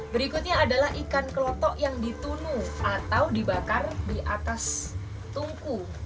berikutnya adalah ikan kelotok yang ditunu atau dibakar di atas tungku